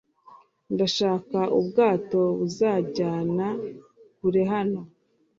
Ndashaka ubwato buzanjyana kure hano